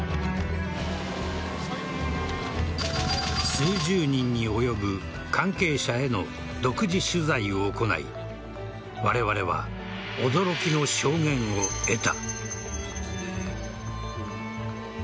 数十人に及ぶ関係者への独自取材を行いわれわれは驚きの証言を得た。